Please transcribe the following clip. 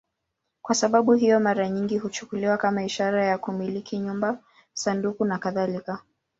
Kwa sababu hiyo, mara nyingi huchukuliwa kama ishara ya kumiliki nyumba, sanduku nakadhalika.